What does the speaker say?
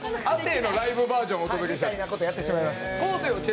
亜生のライブバージョンみたいなことやってしまいました。